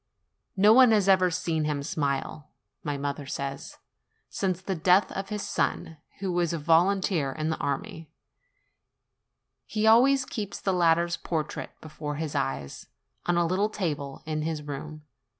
No one has ever seen him smile, my mother says, since the death of his son, who was a volunteer in the army: he always keeps the latter's portrait before his eyes, on a little table in his room.